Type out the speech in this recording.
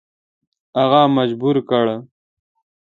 هغه مجبور کړ.